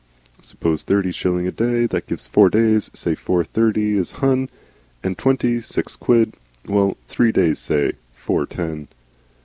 (Suppose thirty shillings a day, that gives four days, say four thirties is hun' and twenty, six quid, well, three days, say; four ten.)